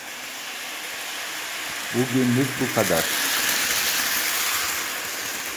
Bu günlük bu kadar.